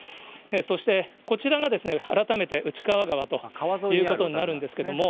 そしてこちらが改めて、内川川ということになるんですけれども。